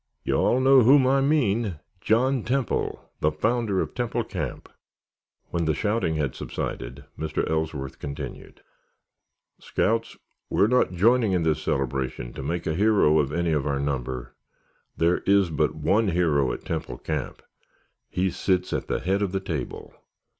You all know whom I mean—John Temple, the founder of Temple Camp!" When the shouting had subsided, Mr. Ellsworth continued, "Scouts, we are not joining in this celebration to make a hero of any of our number. There is but one hero at Temple Camp. He sits at the head of the table.